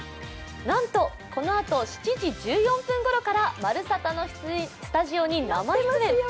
なんとこのあと７時１４分ごろから「まるサタ」のスタジオに生出演。